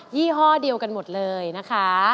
ี่ห้อเดียวกันหมดเลยนะคะ